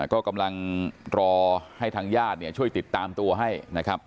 ก็กำลังรอให้ทางญาติช่วยติดตามตัวให้นะครับ